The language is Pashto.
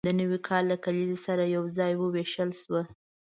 د نوي کال له کلیز سره یوځای وویشل شوه.